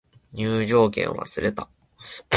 入場券忘れた